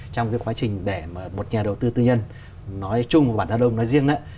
trong quá trình để một nhà đầu tư tư nhân nói chung và nói riêng